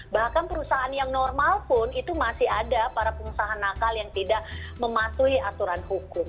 bahkan perusahaan yang normal pun itu masih ada para pengusaha nakal yang tidak mematuhi aturan hukum